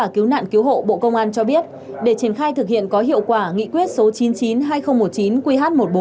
cứu nạn cứu hộ bộ công an cho biết để triển khai thực hiện có hiệu quả nghị quyết số chín mươi chín hai nghìn một mươi chín qh một mươi bốn